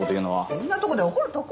そんなとこで怒るとこ？